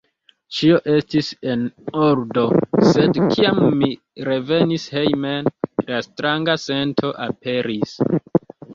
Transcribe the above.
Ĉio estis en ordo, sed kiam mi revenis hejmen, la stranga sento aperis.